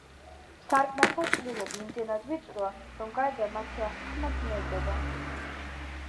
სარკმელთა ჭრილები იმდენად ვიწროა, რომ გარედან მათი აღქმა ძნელდება.